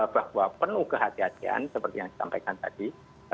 bahwa penuh kehatian kehatian seperti yang disampaikan tadi